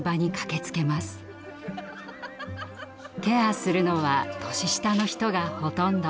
ケアするのは年下の人がほとんど。